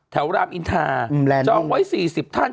รามอินทาจองไว้๔๐ท่าน